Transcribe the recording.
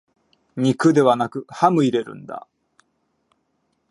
肉ではなくハム入れるんだ